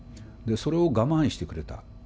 それを我慢してくれた。